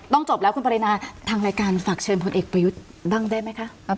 จบแล้วคุณปรินาทางรายการฝากเชิญพลเอกประยุทธ์บ้างได้ไหมคะ